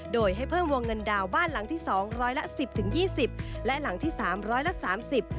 โดยให้เพิ่มวงเงินดาวบ้านหลังที่สองร้อยละสิบถึงยี่สิบและหลังที่สามร้อยละสามสิบ